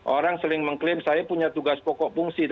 orang sering mengklaim saya punya tugas pokok fungsi